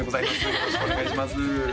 よろしくお願いします